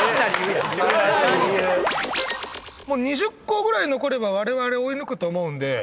２０個ぐらい残ればわれわれ追い抜くと思うんで。